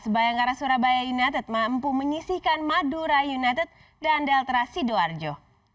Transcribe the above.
bayangkara surabaya united mampu menyisihkan madura united dan delta sidoarjo